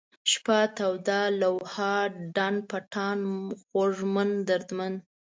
شپه ، توده ، لوحه ، ډنډ پټان ، خوږمن ، دردمن